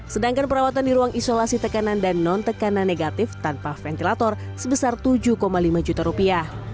sedangkan perawatan di ruang isolasi tekanan dan non tekanan negatif tanpa ventilator sebesar tujuh lima juta rupiah